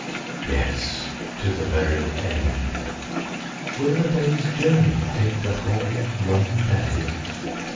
Yes, to the very end. Will the day's journey take the whole long day?